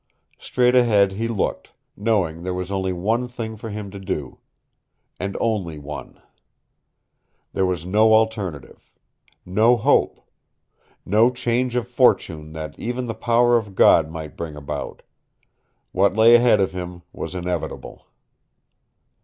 Straight ahead he looked, knowing there was only one thing for him to do. And only one. There was no alternative. No hope. No change of fortune that even the power of God might bring about. What lay ahead of him was inevitable.